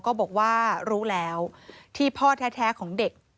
ก็บอกว่ารู้แล้วที่พ่อแท้ของเด็ก